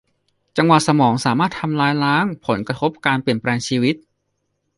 จังหวะสมองสามารถทำลายล้างผลกระทบการเปลี่ยนแปลงชีวิต